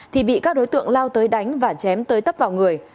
thì bị các đối tượng lao tới đánh và chém tới tấp vào người